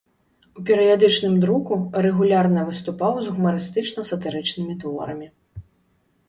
У перыядычным друку рэгулярна выступаў з гумарыстычна-сатырычнымі творамі.